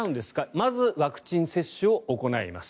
まずワクチン接種を行います。